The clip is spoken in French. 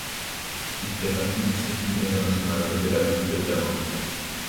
Il fait partie du circuit international de la Ligue de diamant.